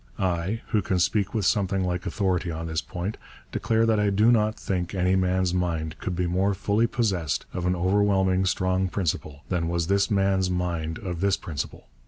I, who can speak with something like authority on this point, declare that I do not think any man's mind could be more fully possessed of an overwhelming strong principle than was this man's mind of this principle.